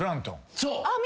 そう！